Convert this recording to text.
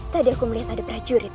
tadi aku melihat ada prajurit